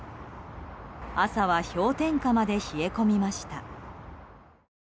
朝は氷点下まで冷え込みました。